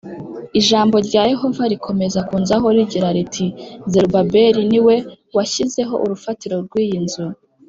Ijambo rya Yehova rikomeza kunzaho rigira riti Zerubabeli ni we washyizeho urufatiro rw iyi nzu